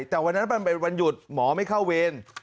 แต่วันนั้นมันเป็นวันหยุดหมอไม่เข้าเวร